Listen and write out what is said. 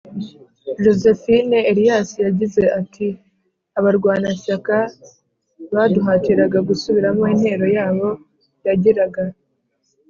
Josephine elias yagize ati abarwanashyaka baduhatiraga gusubiramo intero yabo yagiraga